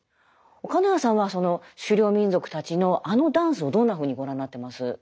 岡ノ谷さんは狩猟民族たちのあのダンスをどんなふうにご覧になってます？